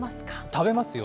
食べますよ。